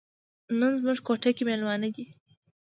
نن زموږ کوټه کې میلمانه دي.